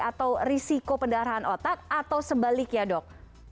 atau risiko pendarahan otak atau sebalik ya dok